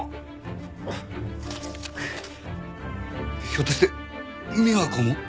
ひょっとして美和子も？